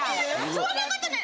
そんなことない！